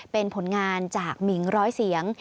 เป็นผลงานจากหมิงร้อยเสียง